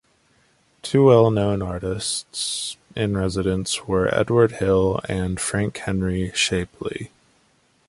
Two well-known artists-in-residence were Edward Hill and Frank Henry Shapleigh.